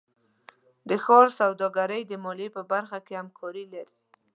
د ښار سوداګرۍ د مالیې برخه کې همکاري لري.